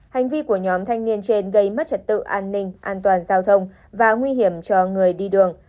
hành vi của nhóm thanh niên trên gây mất trật tự an ninh an toàn giao thông và nguy hiểm cho người đi đường